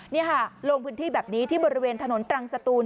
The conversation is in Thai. นี่ค่ะลงพื้นที่แบบนี้ที่บริเวณถนนตรังสตูน